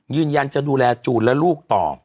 ยืนยันจะดูแลจูนและลูกต่อ